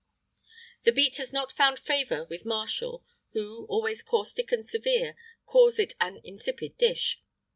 [IX 29] The beet has not found favour with Martial, who, always caustic and severe, calls it an insipid dish.